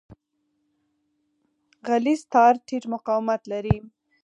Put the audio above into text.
غلیظ تار ټیټ مقاومت لري.